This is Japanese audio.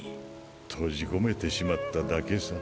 閉じ込めてしまっただけさ。